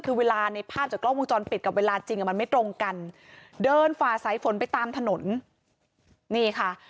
คือเวลาในภาพจากกล้องวงจรปิดกับเวลาจริงอ่ะมันไม่ตรงกันเดินฝ่าสายฝนไปตามถนนนี่ค่ะ